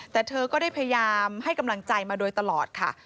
แต่เธอก็ได้พยายามให้กำลังใจมาโดยตลอดค่ะ